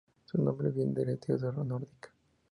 Su nombre viene de la literatura nórdica.